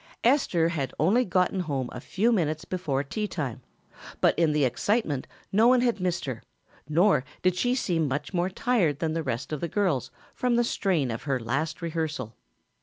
Esther had only gotten home a few minutes before tea time, but in the excitement no one had missed her, nor did she seem much more tired than the rest of the girls from the strain of her last rehearsal.